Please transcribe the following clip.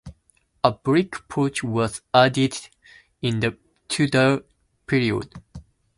A brick porch was added in the Tudor period.